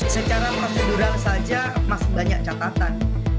secara prosedural saja masih banyak catatan